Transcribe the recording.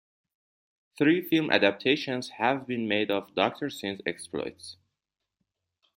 Three film adaptations have been made of Doctor Syn's exploits.